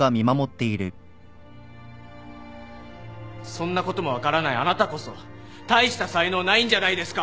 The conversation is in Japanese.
そんなことも分からないあなたこそ大した才能ないんじゃないですか？